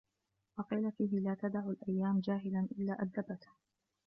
وَقِيلَ فِيهِ لَا تَدَعُ الْأَيَّامُ جَاهِلًا إلَّا أَدَّبَتْهُ